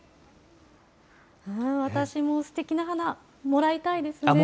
私もすてきな花、もらいたいですね。